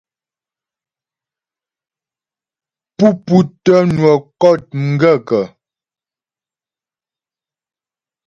Pú pútə́ nwə kɔ̂t m gaə̂kə́ ?